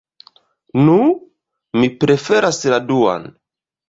Nu, mi preferas la duan.